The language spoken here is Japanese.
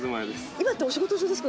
今ってお仕事中ですか？